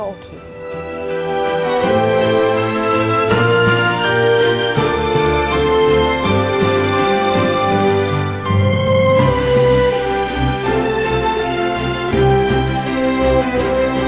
โอเคโอเคโอเค